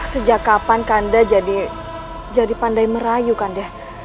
sejak kapan kanda jadi pandai merayu kanda